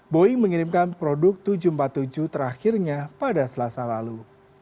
boeing mengirimkan produk tujuh ratus empat puluh tujuh terakhirnya pada selasa lalu